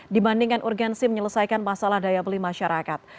dibandingkan urgensi menyelesaikan masalah daya beli masyarakat